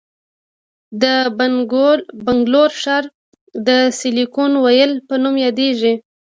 د بنګلور ښار د سیلیکون ویلي په نوم یادیږي.